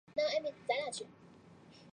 苏姆阿布姆巴比伦第一王朝首任国王。